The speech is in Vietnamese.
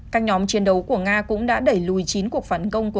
các nhóm chiến đấu của nga cũng đã đẩy lùi chín cuộc phản công của